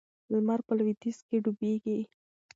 لمر په لویدیځ کې ډوبیږي.